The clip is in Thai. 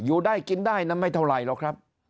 อยู่ได้กินได้นั้นไม่เท่าไหร่หรอกครับ